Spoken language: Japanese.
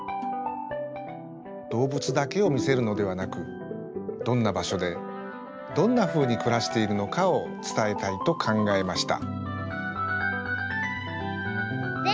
動物だけをみせるのではなくどんなばしょでどんなふうにくらしているのかをつたえたいとかんがえました。